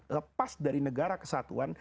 lepas dari negara kesatuan